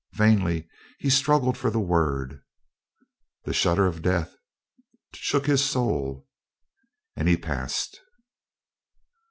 Vainly he struggled for the word. The shudder of death shook his soul, and he passed.